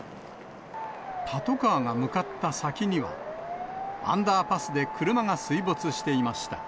パトカーが向かった先には、アンダーパスで車が水没していました。